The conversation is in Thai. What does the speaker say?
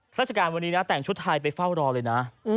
ราชการวันนี้นะแต่งชุดไทยไปเฝ้ารอเลยนะ